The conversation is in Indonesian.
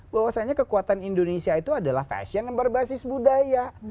bahwasannya kekuatan indonesia itu adalah fashion yang berbasis budaya